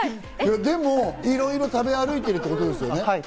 でも、いろいろ食べ歩いてるんですよね？